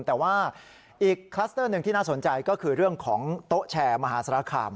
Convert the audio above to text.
แต่ว่าอีกคลัสเตอร์หนึ่งที่น่าสนใจก็คือเรื่องของโต๊ะแชร์มหาสารคาม